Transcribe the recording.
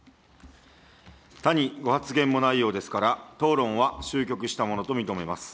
他にご発言もないようですから、討論は終局したものと認めます。